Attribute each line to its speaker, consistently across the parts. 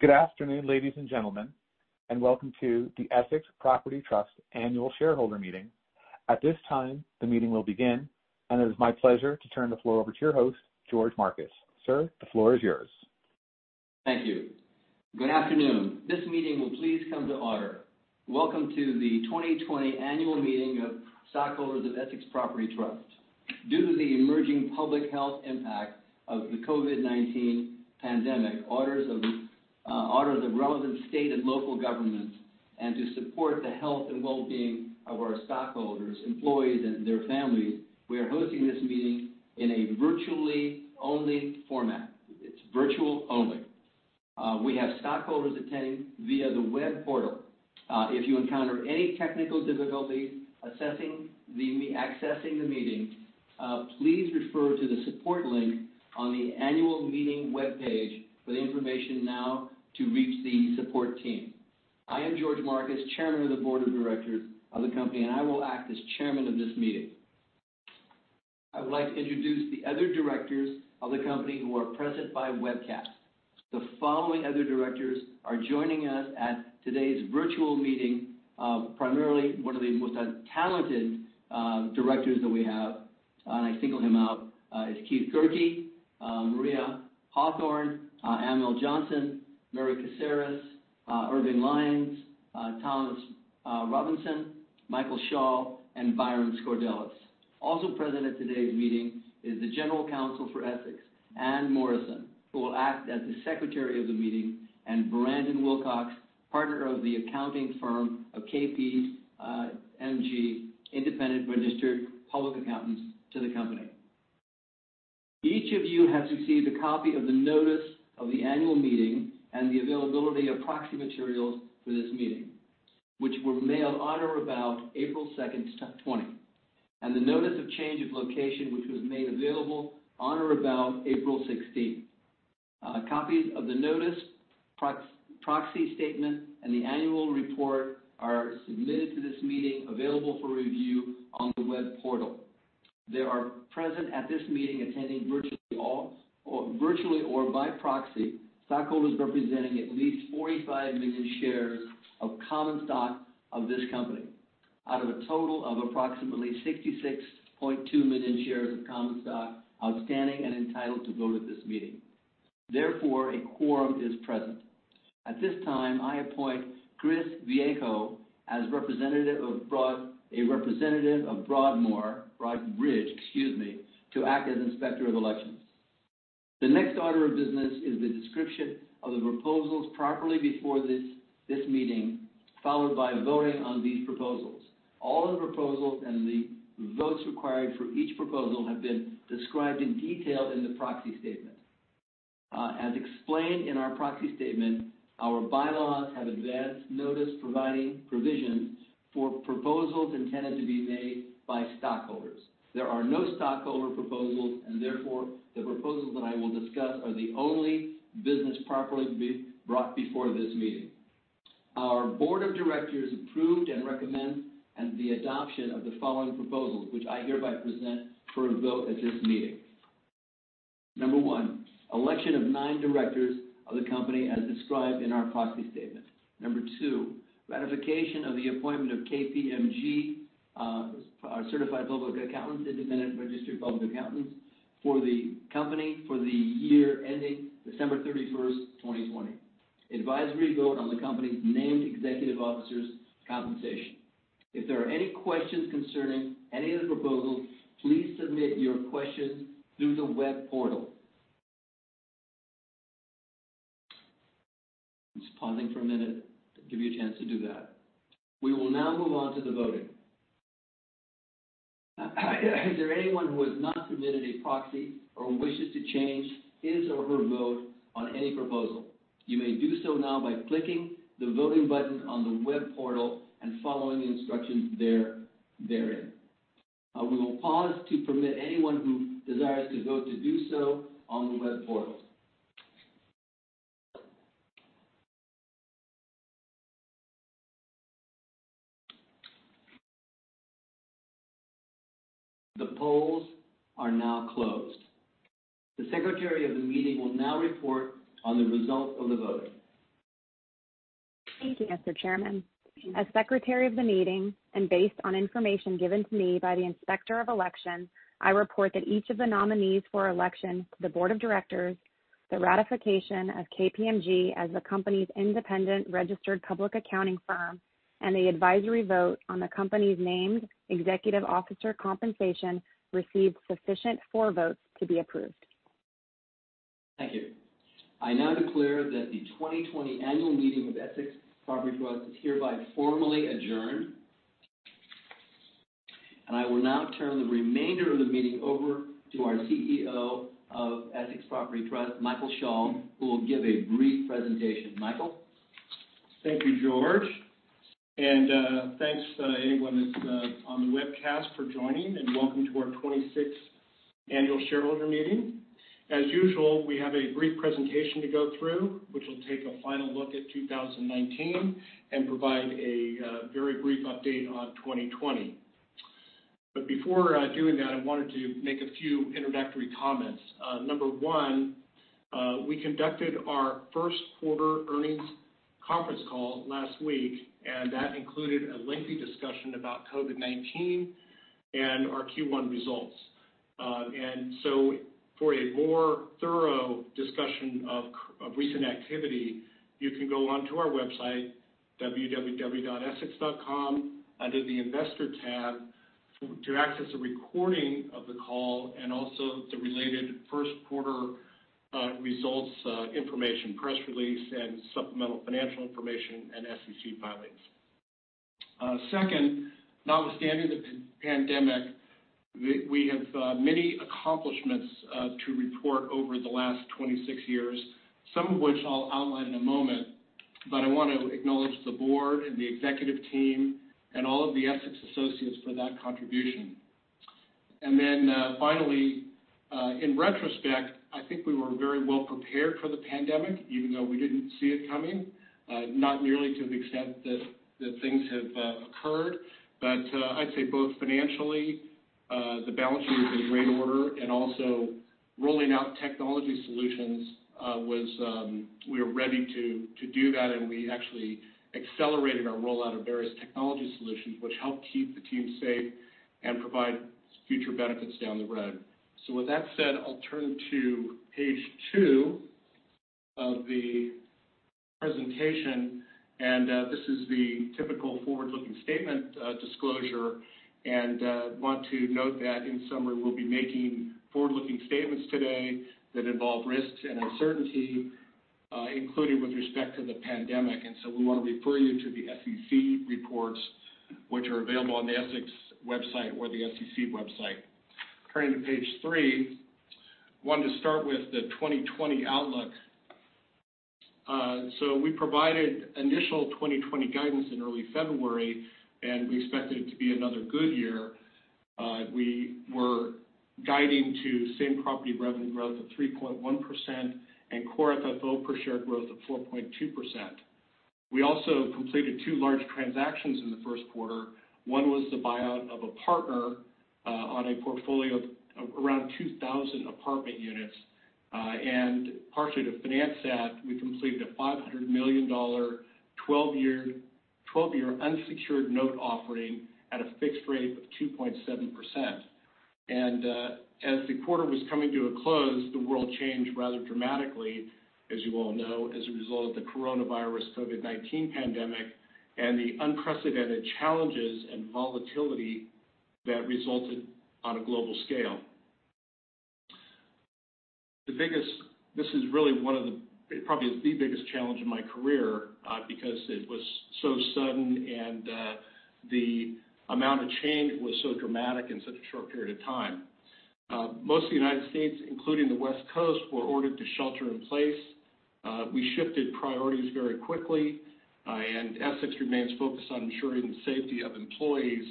Speaker 1: Good afternoon, ladies and gentlemen, and welcome to the Essex Property Trust annual shareholder meeting. At this time, the meeting will begin, and it is my pleasure to turn the floor over to your host, George Marcus. Sir, the floor is yours.
Speaker 2: Thank you. Good afternoon. This meeting will please come to order. Welcome to the 2020 annual meeting of stockholders of Essex Property Trust. Due to the emerging public health impact of the COVID-19 pandemic, orders of the relevant state and local governments, and to support the health and wellbeing of our stockholders, employees, and their families, we are hosting this meeting in a virtually only format. It's virtual only. We have stockholders attending via the web portal. If you encounter any technical difficulties accessing the meeting, please refer to the support link on the annual meeting webpage for the information now to reach the support team. I am George Marcus, Chairman of the board of directors of the company, and I will act as chairman of this meeting. I would like to introduce the other directors of the company who are present by webcast. The following other directors are joining us at today's virtual meeting. Primarily one of the most talented directors that we have, and I single him out, is Keith Guericke, Maria Hawthorne, Amal Johnson, Mary Kasaris, Irving Lyons, Thomas Robinson, Michael Schall, and Byron Scordelis. Also present at today's meeting is the General Counsel for Essex, Anne Morrison, who will act as the secretary of the meeting, and Brendan Wilcox, partner of the accounting firm of KPMG, Independent Registered Public Accountants to the company. Each of you has received a copy of the notice of the annual meeting and the availability of proxy materials for this meeting, which were mailed on or about April 2nd, 2020, and the notice of change of location, which was made available on or about April 16th. Copies of the notice, proxy statement, and the annual report are submitted to this meeting, available for review on the web portal. There are present at this meeting, attending virtually or by proxy, stockholders representing at least 45 million shares of common stock of this company, out of a total of approximately 66.2 million shares of common stock outstanding and entitled to vote at this meeting. Therefore, a quorum is present. At this time, I appoint Chris Viego as a representative of Broadridge, to act as Inspector of Elections. The next order of business is the description of the proposals properly before this meeting, followed by voting on these proposals. All of the proposals and the votes required for each proposal have been described in detail in the proxy statement. As explained in our proxy statement, our bylaws have advanced notice providing provisions for proposals intended to be made by stockholders. There are no stockholder proposals, therefore, the proposals that I will discuss are the only business properly to be brought before this meeting. Our board of directors approved and recommends the adoption of the following proposals, which I hereby present for a vote at this meeting. Number one, election of nine directors of the company as described in our proxy statement. Number two, ratification of the appointment of KPMG, our certified public accountants, independent registered public accountants, for the company for the year ending December 31st, 2020. Advisory vote on the company's named executive officers' compensation. If there are any questions concerning any of the proposals, please submit your questions through the web portal. Just pausing for a minute to give you a chance to do that. We will now move on to the voting. Is there anyone who has not submitted a proxy or who wishes to change his or her vote on any proposal? You may do so now by clicking the voting button on the web portal and following the instructions therein. We will pause to permit anyone who desires to vote to do so on the web portal. The polls are now closed. The secretary of the meeting will now report on the result of the vote.
Speaker 3: Thank you, Mr. Chairman. As secretary of the meeting, and based on information given to me by the Inspector of Election, I report that each of the nominees for election to the board of directors, the ratification of KPMG as the company's independent registered public accounting firm, and the advisory vote on the company's named executive officer compensation received sufficient for votes to be approved.
Speaker 2: Thank you. I now declare that the 2020 annual meeting with Essex Property Trust is hereby formally adjourned. I will now turn the remainder of the meeting over to our CEO of Essex Property Trust, Michael Schall, who will give a brief presentation. Michael?
Speaker 4: Thank you, George. Thanks anyone that's on the webcast for joining, and welcome to our 26th annual shareholder meeting. As usual, we have a brief presentation to go through, which will take a final look at 2019 and provide a very brief update on 2020. Before doing that, I wanted to make a few introductory comments. Number one, we conducted our first quarter earnings conference call last week, and that included a lengthy discussion about COVID-19 and our Q1 results. For a more thorough discussion of recent activity, you can go onto our website, www.essex.com, under the Investor tab to access a recording of the call and also the related first quarter results information, press release, and supplemental financial information and SEC filings. Second, notwithstanding the pandemic, we have many accomplishments to report over the last 26 years, some of which I'll outline in a moment, but I want to acknowledge the board and the executive team and all of the Essex associates for that contribution. Finally, in retrospect, I think we were very well prepared for the pandemic, even though we didn't see it coming. Not nearly to the extent that things have occurred. I'd say both financially, the balance sheet was in great order, and also rolling out technology solutions, we were ready to do that, and we actually accelerated our rollout of various technology solutions, which helped keep the team safe and provide future benefits down the road. With that said, I'll turn to page two of the presentation. This is the typical forward-looking statement disclosure. Want to note that in summary, we'll be making forward-looking statements today that involve risks and uncertainty, including with respect to the pandemic. We want to refer you to the SEC reports, which are available on the Essex website or the SEC website. Turning to page three, wanted to start with the 2020 outlook. We provided initial 2020 guidance in early February, and we expected it to be another good year. We were guiding to same-property revenue growth of 3.1% and Core FFO per share growth of 4.2%. We also completed two large transactions in the first quarter. One was the buyout of a partner on a portfolio of around 2,000 apartment units. Partially to finance that, we completed a $500 million 12-year unsecured note offering at a fixed rate of 2.7%. As the quarter was coming to a close, the world changed rather dramatically, as you all know, as a result of the coronavirus COVID-19 pandemic and the unprecedented challenges and volatility that resulted on a global scale. This is really one of the, probably the biggest challenge of my career, because it was so sudden, and the amount of change was so dramatic in such a short period of time. Most of the United States, including the West Coast, were ordered to shelter in place. We shifted priorities very quickly, and Essex remains focused on ensuring the safety of employees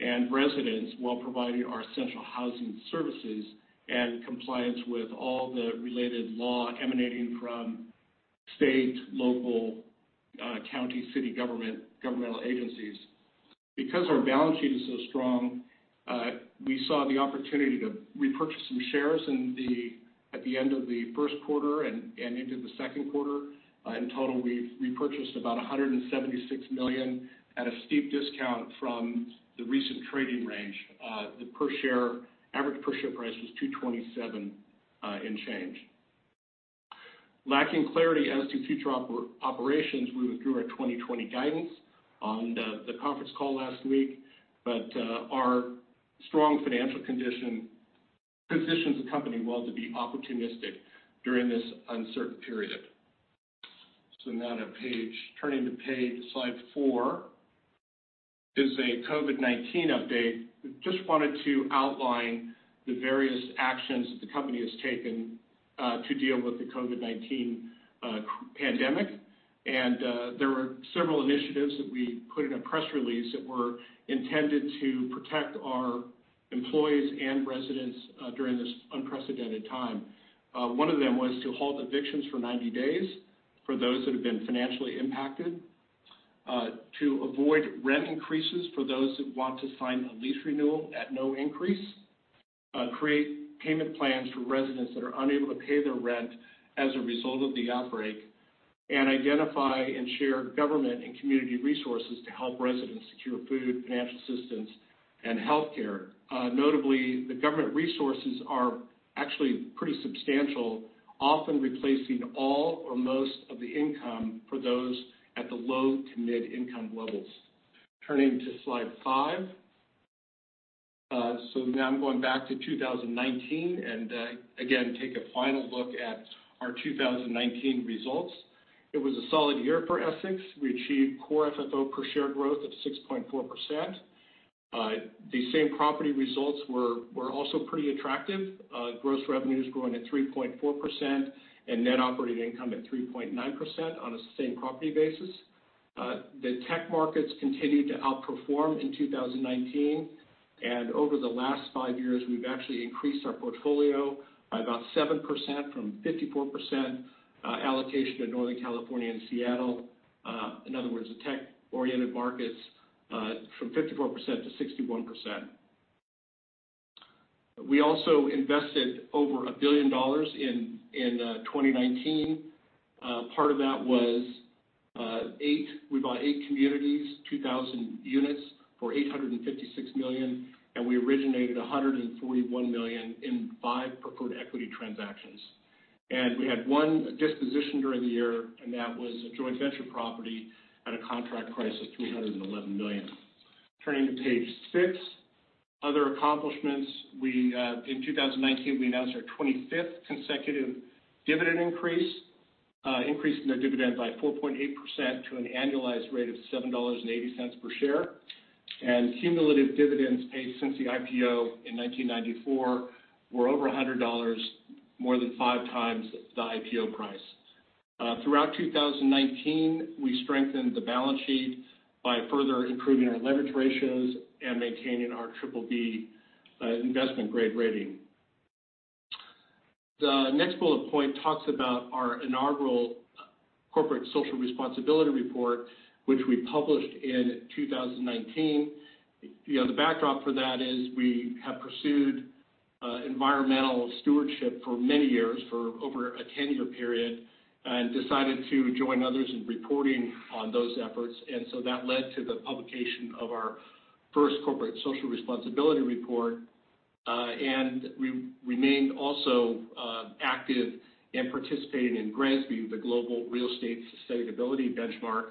Speaker 4: and residents while providing our essential housing services and compliance with all the related law emanating from state, local, county, city government, governmental agencies. Because our balance sheet is so strong, we saw the opportunity to repurchase some shares at the end of the first quarter and into the second quarter. In total, we repurchased about $176 million at a steep discount from the recent trading range. The average per share price was $227 in change. Lacking clarity as to future operations, we withdrew our 2020 guidance on the conference call last week, but our strong financial condition positions the company well to be opportunistic during this uncertain period. Now turning to page slide four is a COVID-19 update. Just wanted to outline the various actions that the company has taken to deal with the COVID-19 pandemic. There were several initiatives that we put in a press release that were intended to protect our employees and residents during this unprecedented time. One of them was to halt evictions for 90 days for those that have been financially impacted, to avoid rent increases for those that want to sign a lease renewal at no increase, create payment plans for residents that are unable to pay their rent as a result of the outbreak, and identify and share government and community resources to help residents secure food, financial assistance, and healthcare. Notably, the government resources are actually pretty substantial, often replacing all or most of the income for those at the low to mid-income levels. Turning to slide five. Now I'm going back to 2019, and again, take a final look at our 2019 results. It was a solid year for Essex. We achieved Core FFO per share growth of 6.4%. The same property results were also pretty attractive. Gross revenues growing at 3.4% and Net Operating Income at 3.9% on a same-property basis. The tech markets continued to outperform in 2019, and over the last five years, we've actually increased our portfolio by about 7% from 54% allocation to Northern California and Seattle. In other words, the tech-oriented markets from 54% to 61%. We also invested over $1 billion in 2019. Part of that was we bought eight communities, 2,000 units for $856 million, and we originated $141 million in five preferred equity transactions. We had one disposition during the year, and that was a joint venture property at a contract price of $211 million. Turning to page six, other accomplishments. In 2019, we announced our 25th consecutive dividend increase, increasing the dividend by 4.8% to an annualized rate of $7.80 per share. Cumulative dividends paid since the IPO in 1994 were over $100, more than 5x the IPO price. Throughout 2019, we strengthened the balance sheet by further improving our leverage ratios and maintaining our BBB investment-grade rating. The next bullet point talks about our inaugural corporate social responsibility report, which we published in 2019. The backdrop for that is we have pursued environmental stewardship for many years, for over a 10-year period, and decided to join others in reporting on those efforts. That led to the publication of our first corporate social responsibility report. We remained also active in participating in GRESB, the Global Real Estate Sustainability Benchmark,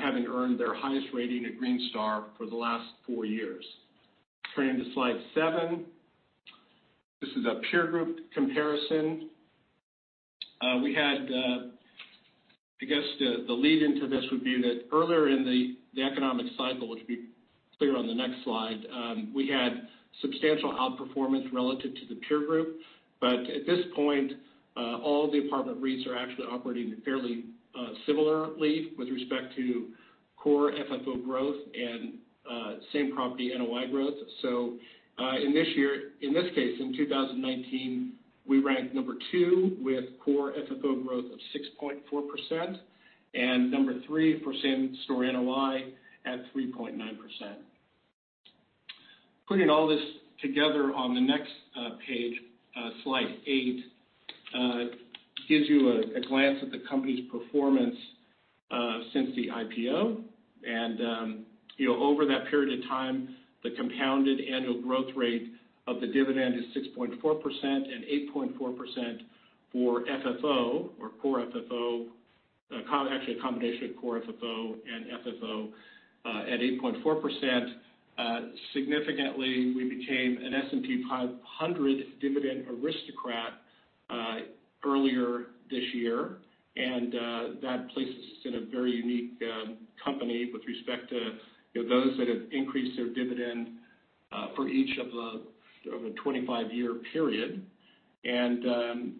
Speaker 4: having earned their highest rating, a Green Star, for the last four years. Turning to slide seven. This is a peer group comparison. I guess, the lead into this would be that earlier in the economic cycle, which will be clear on the next slide, we had substantial outperformance relative to the peer group. At this point, all the apartment REITs are actually operating fairly similarly with respect to Core FFO growth and same property NOI growth. In this case, in 2019, we ranked number two with Core FFO growth of 6.4% and number three for same-store NOI at 3.9%. Putting all this together on the next page, slide eight, gives you a glance at the company's performance since the IPO. Over that period of time, the compounded annual growth rate of the dividend is 6.4% and 8.4% for FFO or Core FFO, actually, a combination of Core FFO and FFO at 8.4%. Significantly, we became an S&P 500 Dividend Aristocrat earlier this year. That places us in a very unique company with respect to those that have increased their dividend for each of the 25-year period. If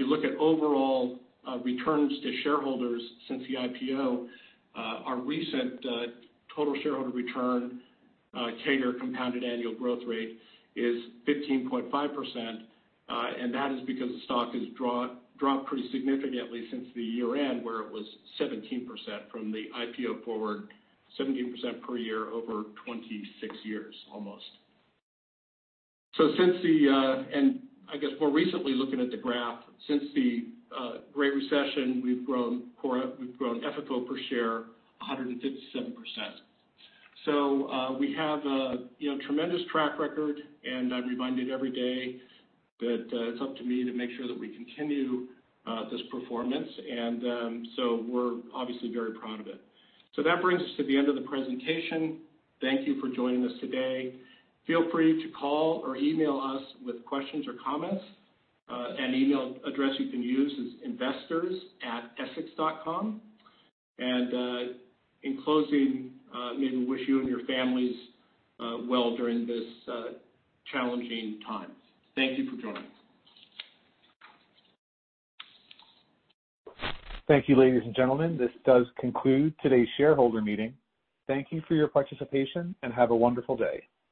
Speaker 4: you look at overall returns to shareholders since the IPO, our recent total shareholder return, CAGR, compounded annual growth rate is 15.5%. That is because the stock has dropped pretty significantly since the year-end, where it was 17% from the IPO forward, 17% per year over 26 years almost. I guess more recently, looking at the graph since the Great Recession, we've grown FFO per share 157%. We have a tremendous track record. I'm reminded every day that it's up to me to make sure that we continue this performance. We're obviously very proud of it. That brings us to the end of the presentation. Thank you for joining us today. Feel free to call or email us with questions or comments. Email address you can use is investors@essex.com. In closing, may we wish you and your families well during this challenging time. Thank you for joining.
Speaker 1: Thank you, ladies and gentlemen. This does conclude today's shareholder meeting. Thank you for your participation, and have a wonderful day.